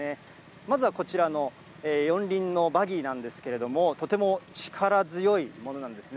まずはこちらの四輪のバギーなんですけれども、とても力強いものなんですね。